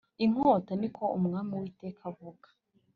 Inkota ni ko umwami uwiteka avuga